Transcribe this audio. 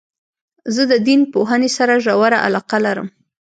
زه د دین پوهني سره ژوره علاقه لرم.